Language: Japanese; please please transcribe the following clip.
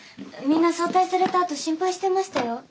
みんな早退されたあと心配してましたよ。